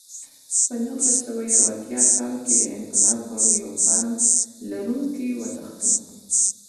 په نولس سوه یو اتیا کال کې د انقلاب غړو یو فارم لرونکی وتښتاوه.